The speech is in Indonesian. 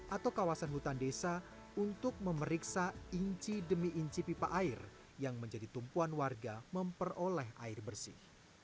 atau kawasan hutan desa untuk memeriksa inci demi inci pipa air yang menjadi tumpuan warga memperoleh air bersih